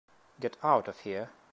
Get out of here.